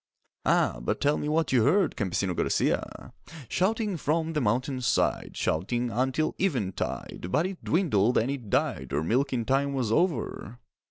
'Ah, but tell me what you heard, Campesino Garcia!' 'Shouting from the mountain side, Shouting until eventide; But it dwindled and it died Ere milking time was over.